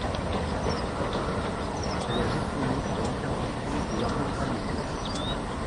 Elle est réprimée par l’intervention de l’armée allemande.